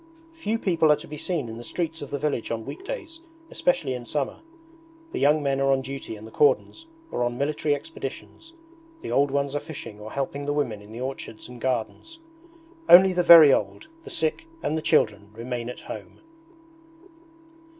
Few people are to be seen in the streets of the village on weekdays, especially in summer. The young men are on duty in the cordons or on military expeditions; the old ones are fishing or helping the women in the orchards and gardens. Only the very old, the sick, and the children, remain at home.